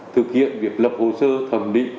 thực hiện việc lập hồ sơ thẩm định